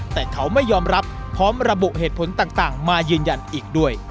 แต่เขาไม่ยอมรับพร้อมระบุเหตุผลต่างมายืนยันอีกด้วย